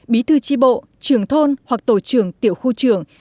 bí thư tri bộ trường thôn hoặc tổ trưởng tiểu khu trường